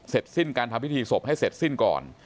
สิ้นการทำพิธีศพให้เสร็จสิ้นก่อน